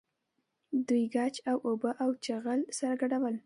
دوی ګچ او اوبه او چغل سره ګډول.